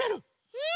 うん！